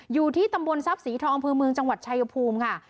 อยู่ที่ตำบลทรัพย์สีทองอำเภอเมืองจังหวัดชายภูมิค่ะ